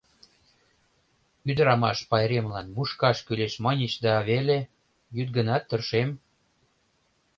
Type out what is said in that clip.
Ӱдырамаш пайремлан мушкаш кӱлеш маньыч да веле, йӱд гынат, тыршем.